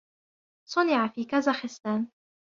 صنع في كازخستان.